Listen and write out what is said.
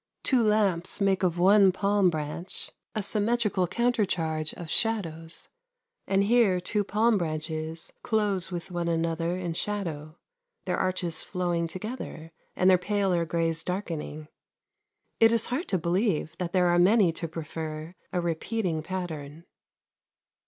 Two lamps make of one palm branch a symmetrical countercharge of shadows, and here two palm branches close with one another in shadow, their arches flowing together, and their paler greys darkening. It is hard to believe that there are many to prefer a "repeating pattern."